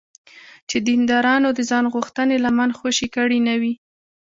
چې دیندارانو د ځانغوښتنې لمن خوشې کړې نه وي.